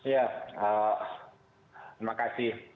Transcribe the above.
ya terima kasih